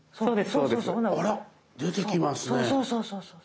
そうそうそうそう。